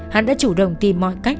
hắn đã chủ động tìm mọi cách